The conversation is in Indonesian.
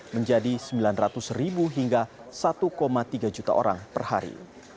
menjadi sembilan ratus ribu hingga satu tiga juta orang per hari